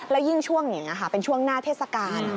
แล้วยิ่งช่วงนี้ค่ะเป็นช่วงหน้าเทศกาล